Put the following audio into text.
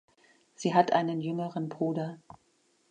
Sie hat einen jüngeren Bruder.